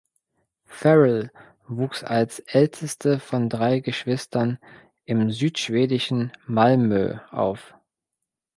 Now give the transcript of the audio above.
Farrell wuchs als älteste von drei Geschwistern im südschwedischen Malmö auf.